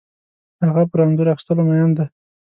هغه پر انځور اخیستلو مین ده